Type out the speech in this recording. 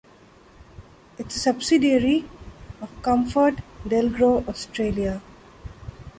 It is a subsidiary of ComfortDelGro Australia.